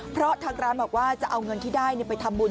เพราะทางร้านบอกว่าจะเอาเงินที่ได้ไปทำบุญ